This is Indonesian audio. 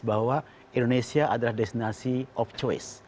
bahwa indonesia adalah destinasi of choice